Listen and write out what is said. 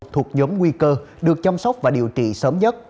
thuộc nhóm nguy cơ được chăm sóc và điều trị sớm nhất